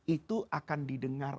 itu akan didengar